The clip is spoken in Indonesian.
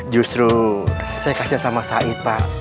justru saya kasihan sama said pak